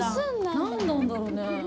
何なんだろうね？